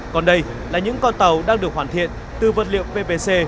còn đây là những con tàu đang được hoàn thiện từ vật liệu ppc